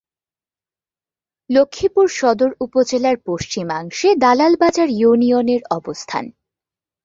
লক্ষ্মীপুর সদর উপজেলার পশ্চিমাংশে দালাল বাজার ইউনিয়নের অবস্থান।